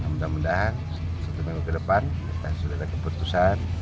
mungkin setah satu minggu ke depan kita sudah ada keputusan